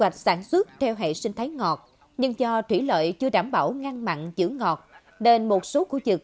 thiết theo hệ sinh thái ngọt nhưng do thủy lợi chưa đảm bảo ngăn mặn giữ ngọt nên một số khu vực